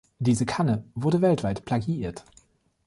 Diese Kanne wurde weltweit plagiiert.